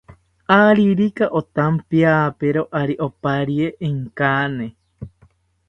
Aririka otampiapero, ari oparie inkani